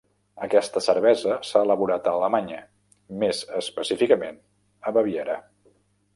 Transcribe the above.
Aquesta cervesa s'ha elaborat a Alemanya, més específicament a Baviera.